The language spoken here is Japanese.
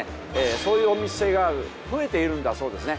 そういうお店が増えているんだそうですね。